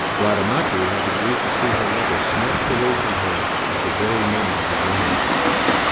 Bradamante had the grief to see her lover snatched away from her at the very moment of reunion.